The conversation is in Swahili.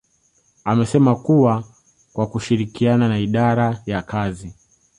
amesema kuwa kwa kushirikiana na idara ya kazi